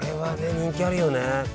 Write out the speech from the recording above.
人気あるよね。